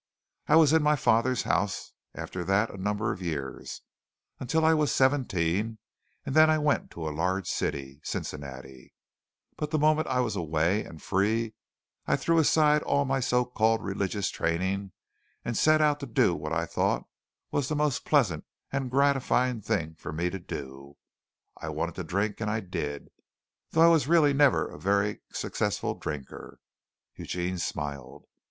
I was in my father's house after that a number of years, until I was seventeen, and then I went to a large city, Cincinnati, but the moment I was away and free I threw aside all my so called religious training and set out to do what I thought was the most pleasant and gratifying thing for me to do. I wanted to drink, and I did, though I was really never a very successful drinker." Eugene smiled.